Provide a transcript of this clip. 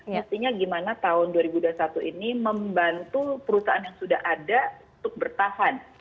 mestinya gimana tahun dua ribu dua puluh satu ini membantu perusahaan yang sudah ada untuk bertahan